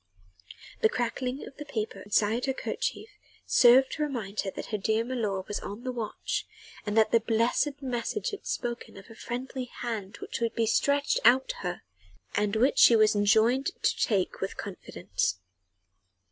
The crackling of the paper inside her kerchief served to remind her that her dear milor was on the watch and that the blessed message had spoken of a friendly hand which would be stretched out to her and which she was enjoined to take with confidence.